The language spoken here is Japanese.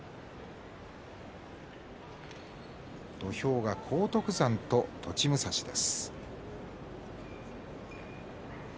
土俵は荒篤山と栃武蔵です。